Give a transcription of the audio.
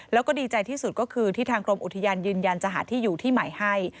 แล้วก็ดีใจที่สุดก็คือที่ทางกรมอุทยานยืนยันจะหาที่อยู่ที่ใหม่ให้